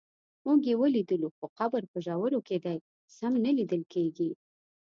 موږ یې ولیدلو خو قبر په ژورو کې دی سم نه لیدل کېږي.